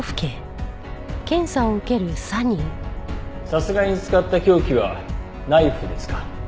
殺害に使った凶器はナイフですか？